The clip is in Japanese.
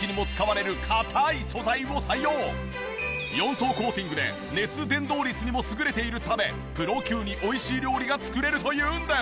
実はこのフライパン４層コーティングで熱伝導率にも優れているためプロ級に美味しい料理が作れるというんです。